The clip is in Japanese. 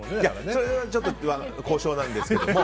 それはちょっと交渉なんですけども。